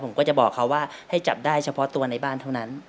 ผมก็จะบอกเขาว่าให้จับได้เฉพาะตัวในบ้านเท่านั้น